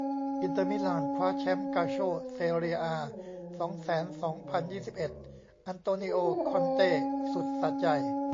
อินเตอร์ มิลาน คว้าแชมป์ กัลโช่ เซเรีย อา สองแสนสองพันยี่สิบเอ็ด อันโตนิโอ คอนเต้ สุดสะใจ